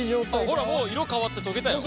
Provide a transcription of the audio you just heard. ほらもう色変わって溶けたよ！